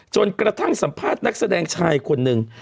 จนกระทั่งสัมภาษณ์นักแสดงชายคนหนึ่ง